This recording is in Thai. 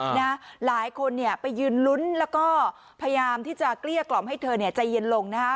หลายคนเนี่ยไปยืนลุ้นแล้วก็พยายามที่จะเกลี้ยกล่อมให้เธอเนี่ยใจเย็นลงนะฮะ